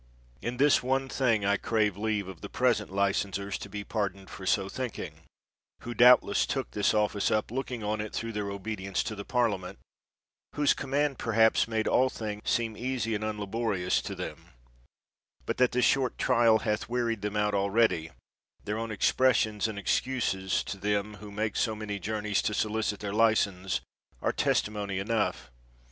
In this one thing I crave leave of the present licensers to be pardoned for so thinking ; who doubtless took this office up, looking on it through their obedi ence to the Parliament, whose command perhaps made all things seem easy and unlaborious to them ; but that this short trial hath wearied them out already, their own expressions and excuses to them who make so many journeys to solicit their license are testimony enough.